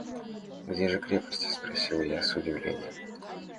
«Где же крепость?» – спросил я с удивлением.